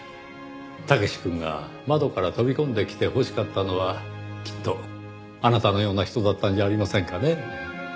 武志くんが窓から飛び込んできてほしかったのはきっとあなたのような人だったんじゃありませんかねぇ。